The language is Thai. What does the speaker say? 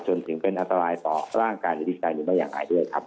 จนถึงเป็นอันตรายต่อร่างกายหรือดีการหรือไม่อย่างไรด้วยครับ